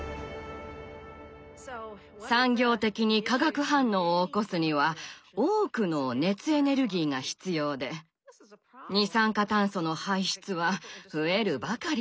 産業的に化学反応を起こすには多くの熱エネルギーが必要で二酸化炭素の排出は増えるばかりです。